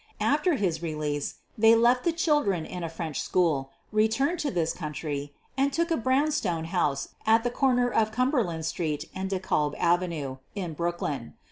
After his release they left the children in a French school, returned to this country, and took a brown stone house at the corner of Cumberland Street and De Kalb Avenue, in Brooklyn.